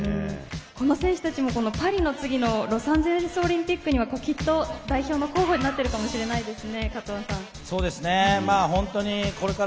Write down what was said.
この選手たちもパリの次のロサンゼルスオリンピックにはきっと代表の候補になっているかもしれませんね